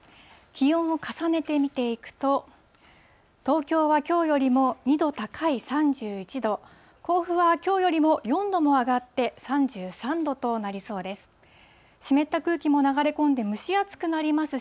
気温を重ねて見ていくと、東京はきょうよりも２度高い３１度、甲府はきょうよりも４度も上がって３３度となりそうです。